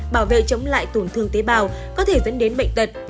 bảo vệ chống lại tổn thương tế bào có thể dẫn đến bệnh tật